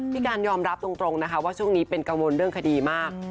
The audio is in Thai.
พี่การยอมรับตรงนะคะว่าช่วงนี้เป็นกังวลเรื่องคดีมาก